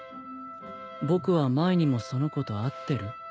僕は前にもその子と会ってる？